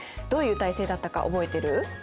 どういう体制だったか覚えてる？